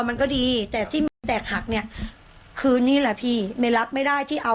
มันรับไม่ได้